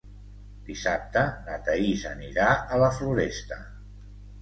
Dissabte na Thaís anirà a la Floresta.